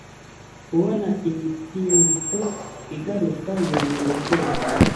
kubona imitingito igaruka bintera ubwoba